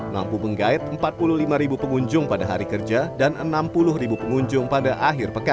mampu menggait empat puluh lima pengunjung pada hari kerja dan enam puluh pengunjung pada akhir pekan